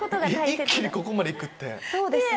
一気にここまで行くって。